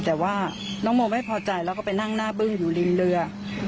แต่ว่าน้องโมไม่พอใจแล้วก็ไปนั่งหน้าบึ้งอยู่ริมเรือ